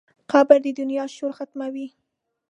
قبر د دنیا شور ختموي.